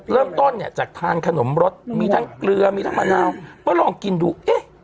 เริ่มต้นเนี่ยจากทานขนมรสมีทั้งเกลือมีทั้งมะนาวก็ลองกินดูเอ๊ะ